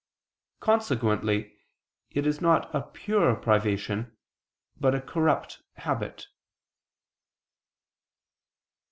Consequently it is not a pure privation, but a corrupt habit.